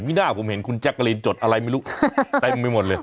หน้าผมเห็นคุณแจ๊กกะรีนจดอะไรไม่รู้เต็มไปหมดเลย